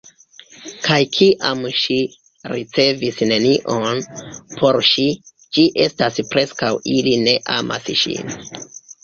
Kaj kiam ŝi ricevis nenion, por ŝi, ĝi estas preskaŭ ili ne amas ŝin.